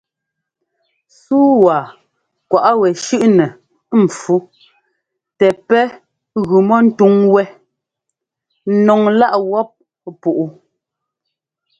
Súu wa kwaꞌ wɛ shʉ́ꞌnɛ ḿpfú tɛ pɛ́ gʉ mɔ ńtúŋ wɛ́ nɔŋláꞌ wɔp púꞌu.